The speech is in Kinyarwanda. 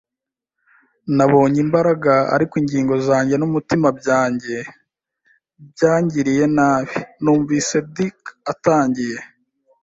nabonye imbaraga, ariko ingingo zanjye n'umutima byanjye byangiriye nabi. Numvise Dick atangiye